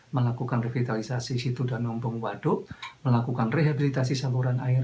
melakukan revitalisasi situ dan nombong waduk melakukan rehabilitasi saluran air